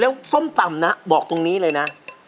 แล้วส้มตำนะบอกตรงนี้เลยนะ